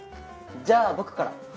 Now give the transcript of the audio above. じゃあ僕から。